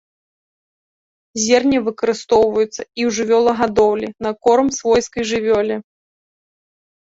Зерне выкарыстоўваецца і ў жывёлагадоўлі на корм свойскай жывёле.